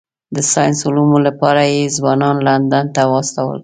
د ساینسي علومو لپاره یې ځوانان لندن ته واستول.